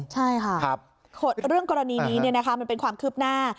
ใช่ค่ะเรื่องกรณีนี้มันเป็นความคืบหน้า